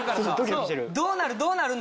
「どうなる？